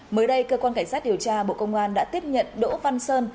mới đây cơ quan cảnh sát điều tra bộ công an đã tiếp nhận đỗ văn sơn